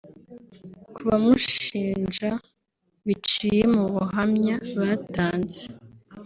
Ku bamushinja biciye mu buhamya batanze